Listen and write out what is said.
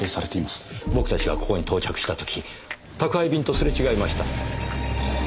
僕たちがここに到着した時宅配便とすれ違いました。